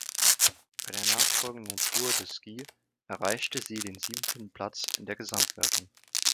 Bei der nachfolgenden Tour de Ski erreichte sie den siebten Platz in der Gesamtwertung.